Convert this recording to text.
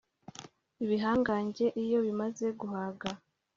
ibihangange iyo bimaze guhaga